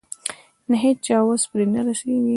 د هيچا وس پرې نه رسېږي.